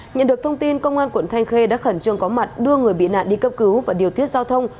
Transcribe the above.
nhận được thông tin công an quận thanh khê đã khẩn trương có mặt đưa người bị nạn đi cấp cứu và điều tiết giao thông